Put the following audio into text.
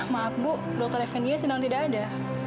maaf bu dokter effendy nya sedang tidak ada